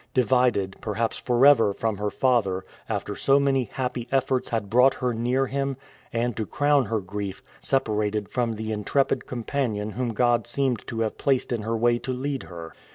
Divided, perhaps forever, from her father, after so many happy efforts had brought her near him, and, to crown her grief, separated from the intrepid companion whom God seemed to have placed in her way to lead her.